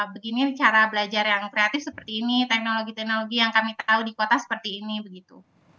begini cara belajar yang kreatif seperti ini teknologi teknologi yang kami tahu di kota seperti ini begitu